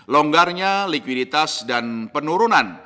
longgarnya likuiditas dan penurunan